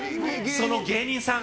その芸人さん